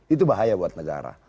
itu bahaya buat negara